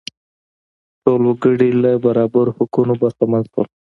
ټول وګړي له برابرو حقونو برخمن شول.